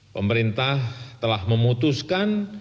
pemerintah telah memutuskan